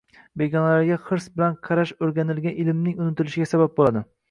Begonalarga hirs bilan qarasho‘rganilgan ilmning unutilishiga sabab bo'ladi.